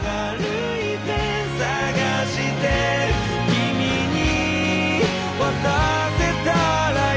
「君に渡せたらいい」